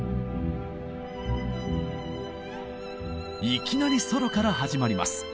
いきなりソロから始まります。